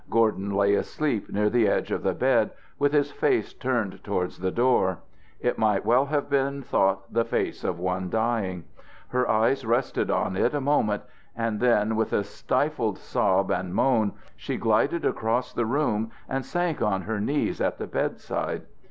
Gordon lay asleep near the edge of the bed, with his face turned towards the door. It might well have been thought the face of one dying. Her eyes rested on it a moment, and then with a stifled sob and moan she glided across the room and sank on her knees at the bedside.